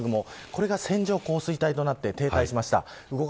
これが線状降水帯となって停滞しました。